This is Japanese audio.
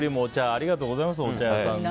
ありがとうございますお茶屋さんね。